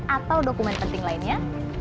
atau dokumen penting lainnya